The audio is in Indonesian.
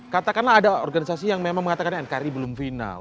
katakanlah ada organisasi yang memang mengatakan nkri belum final